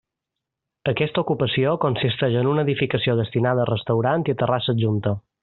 Aquesta ocupació consisteix en una edificació destinada a restaurant i terrassa adjunta.